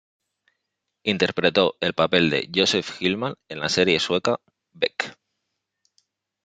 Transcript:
Interpretó el papel de Josef Hillman en la serie sueca "Beck".